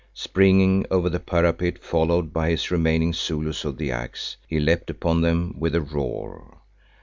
Springing over the parapet, followed by his remaining Zulus of the Axe, he leapt upon them with a roar.